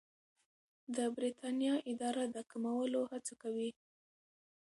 د بریتانیا اداره د کمولو هڅه کوي.